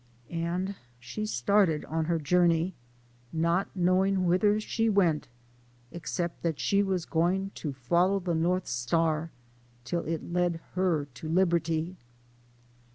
And she started on her journey, " not knowing whither she went," except that she was going to follow the north star, till it led her to liberty.